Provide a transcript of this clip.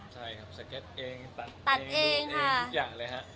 ใช่ครับสเก็ตเองตัดเองดูดเองทุกอย่างเลยฮะ